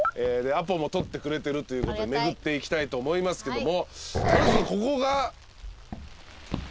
アポも取ってくれてるということで巡っていきたいと思いますけどもまずここが？